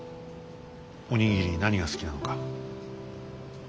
お握り何が好きなのか。